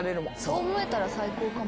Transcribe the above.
そう思えたら最高かも。